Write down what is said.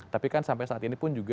tapi kan sampai saat ini pun juga